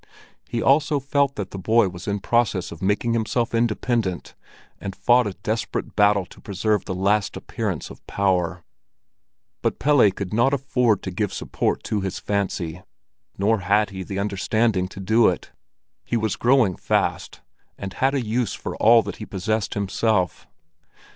He also felt that the boy was in process of making himself independent, and fought a desperate battle to preserve the last appearance of power. But Pelle could not afford to give support to his fancy, nor had he the understanding to do it. He was growing fast, and had a use for all that he possessed himself.